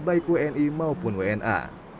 baik wni maupun wna